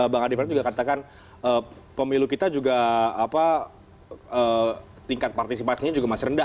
bang adi praetno juga katakan pemilu kita juga tingkat partisipasinya juga masih rendah